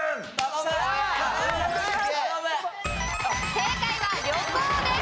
正解は旅行です。